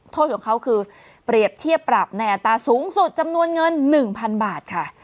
โทษของเขาคือเปรียบเทียบปรับในอัตราสูงสุดจำนวนเงิน๑๐๐๐บาทค่ะ